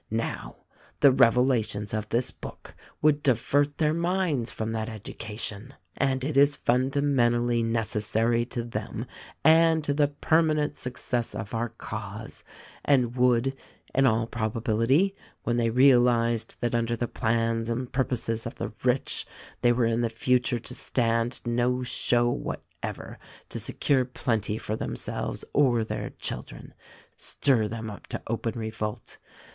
Now, the revelations of this book would divert their minds from that education — and it is fundamentally necessary to them and to the permanent success of our cause — and would, in all probability, when they realized that under the plans and purposes of the rich they were in the future to stand no show whatever to secure plenty for themselves or their children, stir them up to open revolt.